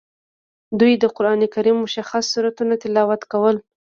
دوی د قران کریم مشخص سورتونه تلاوت کول.